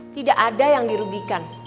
tidak ada yang dirugikan